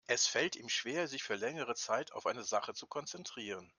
Es fällt ihm schwer, sich für längere Zeit auf eine Sache zu konzentrieren.